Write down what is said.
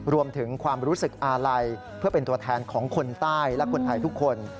รวมถึงความรู้สึกอาลัยเพื่อเป็นตัวแทนของคนใต้และคนไทยทุกคน